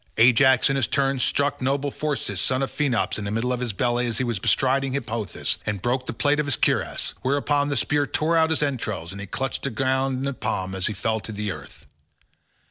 Ajax in his turn struck noble Phorcys son of Phaenops in the middle of the belly as he was bestriding Hippothous, and broke the plate of his cuirass; whereon the spear tore out his entrails and he clutched the ground in his palm as he fell to earth.